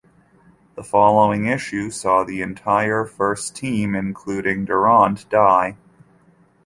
The following issue saw the entire first team, including Durant, die.